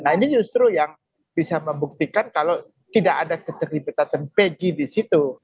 nah ini justru yang bisa membuktikan kalau tidak ada keterlibatan pegi di situ